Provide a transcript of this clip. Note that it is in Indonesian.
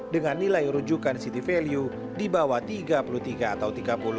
dengan nilai rujukan city value di bawah tiga puluh tiga atau tiga puluh